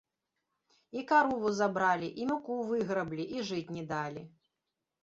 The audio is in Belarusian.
І карову забралі, і муку выграблі, і жыць не далі.